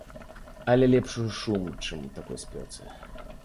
Але лепш ужо шум, чым у такой спёцы.